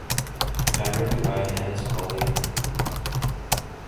Directed by Hans Hollein.